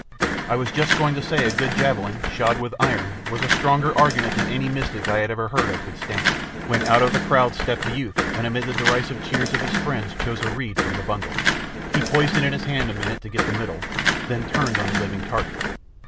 I was just going to say a good javelin, shod with iron, was a stronger argument than any mystic I had ever heard of could stand, when out of the crowd stepped a youth, and amid the derisive cheers of his friends chose a reed from the bundle. He poised it in his hand a minute to get the middle, then turned on the living target.